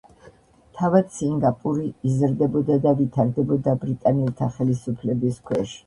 თავად სინგაპური იზრდებოდა და ვითარდებოდა ბრიტანელთა ხელისუფლების ქვეშ.